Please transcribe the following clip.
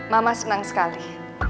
mama senang sekali